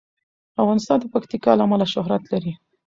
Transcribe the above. افغانستان د پکتیکا له امله شهرت لري.